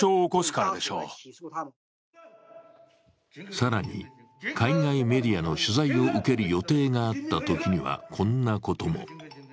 更に、海外メディアの取材を受ける予定があったときにはこんなことも。